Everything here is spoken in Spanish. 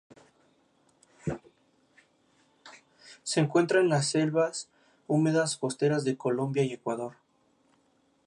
Se encuentra en las selvas húmedas costeras de Colombia y Ecuador.